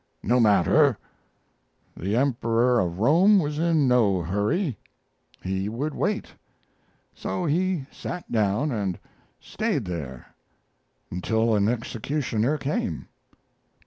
No matter; the Emperor of Rome was in no hurry he would wait. So he sat down and stayed there until an executioner came."